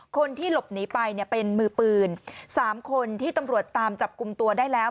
คนที่หลบหนีไปเนี่ยเป็นมือปืน๓คนที่ตำรวจตามจับกลุ่มตัวได้แล้ว